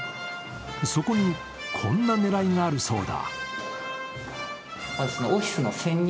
そこに、こんな狙いがあるそうだ。